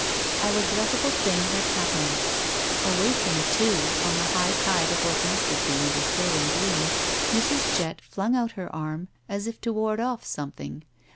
A regrettable thing had happened. Awakened, too, on the high tide of what must have been a disturbing dream, Mrs. Jett fltmg out her arm as if to ward off something.